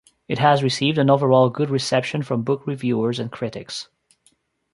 It has received an overall good reception from book reviewers and critics.